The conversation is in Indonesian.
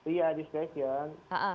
iya di stasiun